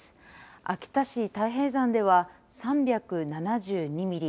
秋田市太平山では３７２ミリ。